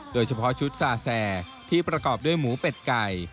โดยเฉพาะชุดซาแซที่ประกอบด้วยหมูเป็ดไก่